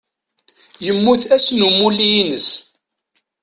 Yemmut ass n umulli-ines.